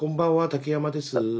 竹山です。